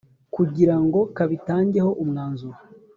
kugira ngo kabitangeho umwanzuro,